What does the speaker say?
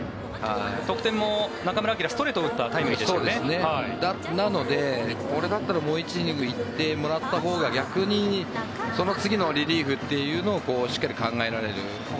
得点も中村晃はストレートを打ったなので、これだったらもう１イニング行ってもらったほうが逆にその次のリリーフというのをしっかり考えられる。